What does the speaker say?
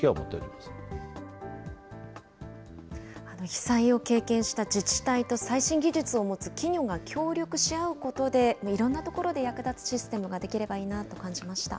被災を経験した自治体と、最新技術を持つ企業が協力し合うことで、いろんな所で役立つシステムができればいいなと感じました。